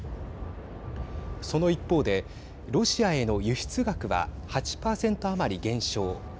その一方でロシアへの輸出額は８％余り減少。